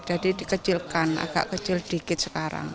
jadi dikecilkan agak kecil dikit sekarang